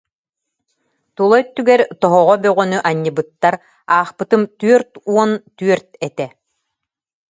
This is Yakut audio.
Тула өттүгэр тоһоҕо бөҕөнү анньыбыттар, аахпытым түөрт уон түөрт этэ